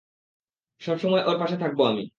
সবসময় ওর পাশে থাকব আমি।